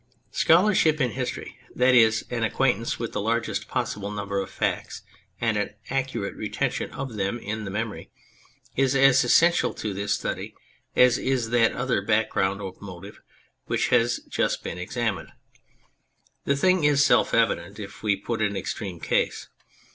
Scholarship in history (that is, an acquaintance with the largest possible number of facts, and an accurate retention of them in the memory) is as essential to this study as is that other background of motive which has just been examined. The thing is self evident if we put an extreme case.